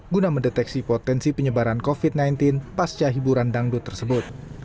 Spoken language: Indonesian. guna mendeteksi potensi penyebaran covid sembilan belas pasca hiburan dangdut tersebut